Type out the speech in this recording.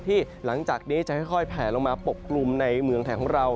หลังจากนี้จะค่อยแผลลงมาปกกลุ่มในเมืองไทยของเรา